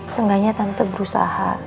seenggaknya tante berusaha